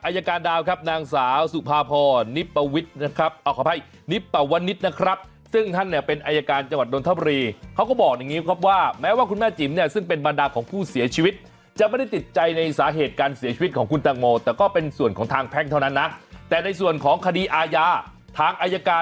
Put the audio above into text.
ยังค่ะยังไม่ได้เจรจากัน